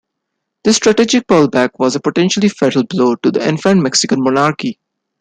This strategic pullback was a potentially fatal blow to the infant Mexican monarchy.